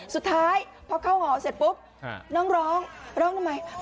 สุดท้ายพอเข้าหอเสร็จปุ๊บน้องร้องร้องทำไม